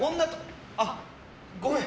あ。ごめん。